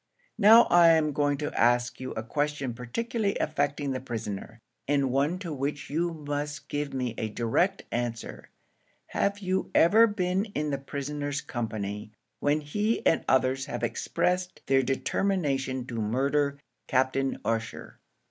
"Now I am going to ask you a question particularly affecting the prisoner, and one to which you must give me a direct answer. Have you ever been in the prisoner's company, when he and others have expressed their determination to murder Captain Ussher?"